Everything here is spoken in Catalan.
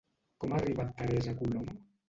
Com ha arribat Teresa Colom?